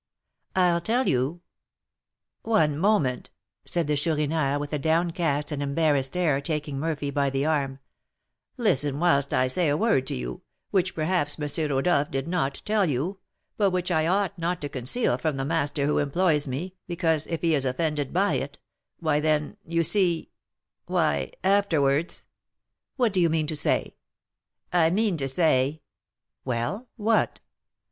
"I'll tell you " "One moment," said the Chourineur, with a downcast and embarrassed air, taking Murphy by the arm; "listen whilst I say a word to you, which perhaps M. Rodolph did not tell you, but which I ought not to conceal from the master who employs me, because, if he is offended by it why then, you see why, afterwards " "What do you mean to say?" "I mean to say " "Well, what?"